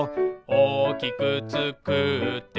「おおきくつくって」